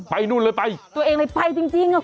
ไปตัวเองเลยไปตัวเองเลยไปจริงคุณชนะ